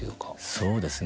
そうですね。